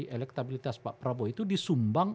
elektabilitas pak prabowo itu disumbang